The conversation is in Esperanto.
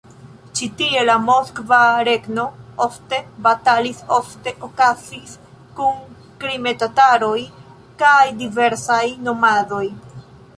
Ĉi tie la Moskva Regno ofte batalis ofte okazis kun krime-tataroj kaj diversaj nomadoj.